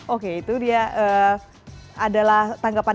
oke itu dia adalah tanggapan yang berikutnya